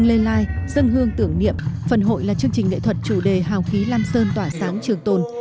dân hương tưởng niệm phần hội là chương trình lễ thuật chủ đề hào khí lam sơn tỏa sáng trường tồn